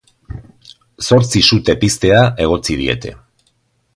Zortzi sute piztea egotzi diete.